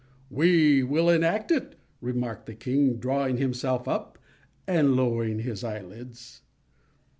"We will enact it," remarked the king, drawing himself up, and lowering his eyelids.